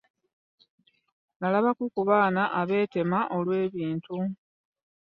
Nalabako ku baana abeetema olw'ebintu.